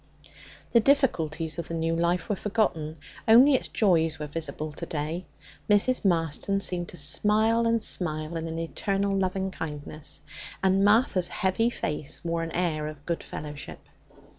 The difficulties of the new life were forgotten. Only its joys were visible to day. Mrs. Marston seemed to smile and smile in an eternal loving kindness, and Martha's heavy face wore an air of good fellowship.